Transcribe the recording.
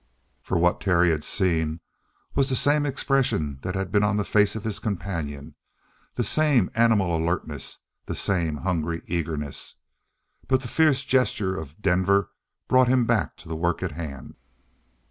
For what Terry had seen was the same expression that had been on the face of his companion the same animal alertness, the same hungry eagerness. But the fierce gesture of Denver brought him back to the work at hand.